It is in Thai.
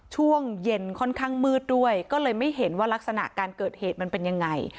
ช่วงเย็นค่อนข้างมืดด้วยก็เลยไม่เห็นว่ารักษณะการเกิดเหตุมันเป็นยังไง